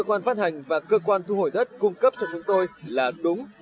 cơ quan phát hành và cơ quan thu hồi đất cung cấp cho chúng tôi là đúng